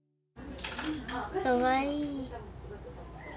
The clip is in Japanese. かわいい。